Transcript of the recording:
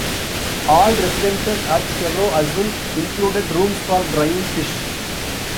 All residences at Cerro Azul included rooms for drying fish.